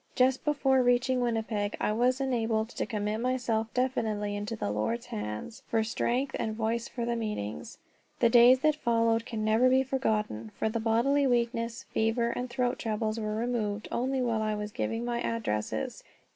Just before reaching Winnipeg I was enabled to commit myself definitely into the Lord's hands, for strength and voice for the meetings. The days that followed can never be forgotten, for the bodily weakness, fever, and throat trouble were removed only while I was giving my addresses.